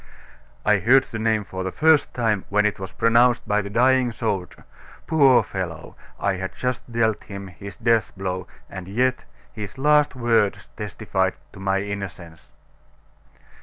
"I heard the name for the first time when it was pronounced by the dying soldier. Poor fellow! I had just dealt him his death blow; and yet his last words testified to my innocence."